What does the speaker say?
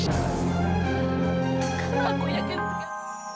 karena aku yakin dengan